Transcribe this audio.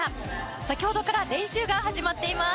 先ほどから練習が始まっています。